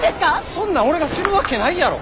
そんなん俺が知るわけないやろ！